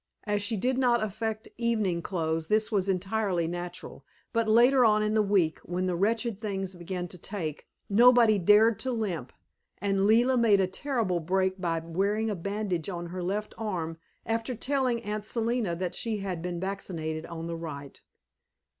As she did not affect evening clothes this was entirely natural, but later on in the week, when the wretched things began to take, nobody dared to limp, and Leila made a terrible break by wearing a bandage on her left arm, after telling Aunt Selina that she had been vaccinated on the right.